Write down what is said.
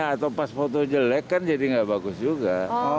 kalau pas foto jelek kan jadi gak bagus juga